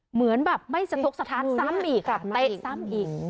เหมือนแบบไม่สะทกสถานซ้ำอีกเตะซ้ำอีก